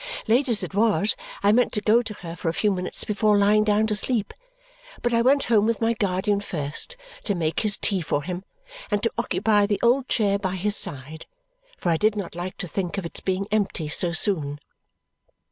Late as it was, I meant to go to her for a few minutes before lying down to sleep, but I went home with my guardian first to make his tea for him and to occupy the old chair by his side, for I did not like to think of its being empty so soon.